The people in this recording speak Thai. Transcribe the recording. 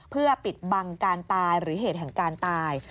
เพื่อปิดบังการตายหรือเหตุแห่งการตาย